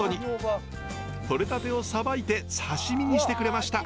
とれたてをさばいて刺身にしてくれました。